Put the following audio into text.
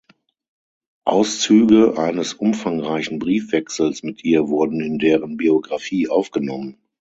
Auszüge eines umfangreichen Briefwechsels mit ihr wurden in deren Biographie aufgenommen.